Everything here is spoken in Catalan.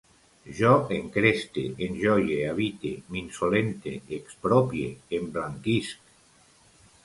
Jo encreste, enjoie, habite, m'insolente, expropie, emblanquisc